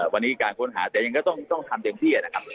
วันนี้การค้นหาแต่ยังก็ต้องทำเต็มที่นะครับ